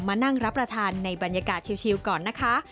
มานั่งรับประทานในบรรยากาศชิวก่อนนะคะ